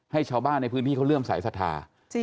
ให้ชาวบ้านในพื้นที่เขาเริ่มใส่สถา